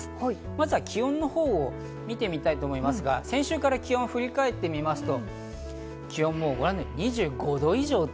まず気温のほうを見てみたいと思いますが、先週から気温を振り返ってみますとご覧のように２５度以上。